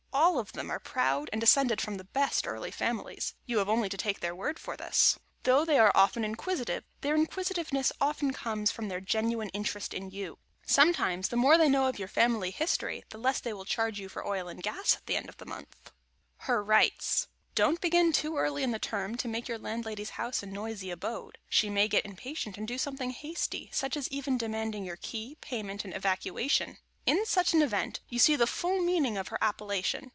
All of them are proud and descended from the best early families (you have only to take their word for this). Though they are often inquisitive, their inquisitiveness often comes from their genuine interest in you. Sometimes, the more they know of your family history, the less they will charge you for oil and gas, at the end of the month. [Sidenote: HER RIGHTS] Don't begin too early in the term to make your Landlady's house a noisy abode. She may get impatient and do something hasty, such as even demanding your key, payment and evacuation. In such an event you see the full meaning of her appellation.